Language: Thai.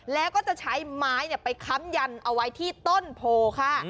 แล้วก็จะใช้ไม้ไปค้ำยันเอาไว้ที่ต้นโพค่ะ